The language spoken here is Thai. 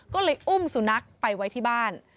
ก็เลยอุ้มสุนัขไปไว้ที่บ้าน